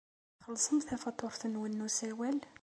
Txellṣem tafatuṛt-nwen n usawal?